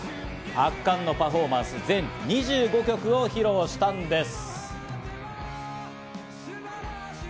圧巻のパフォーマンス、全２５曲を披露したんです。